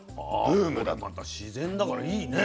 これまた自然だからいいね。